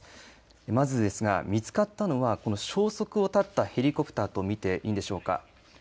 まずですが、見つかったのはこの消息を絶ったヘリコプターと見ていいんでしょうか。